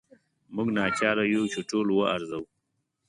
موږ ناچاره یو چې ټول وارزوو.